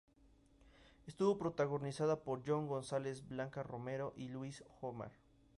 Estuvo protagonizada por Yon González, Blanca Romero y Lluís Homar.